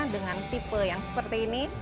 dengan tipe yang seperti ini